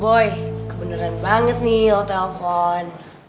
boy kebeneran banget nih lo telepon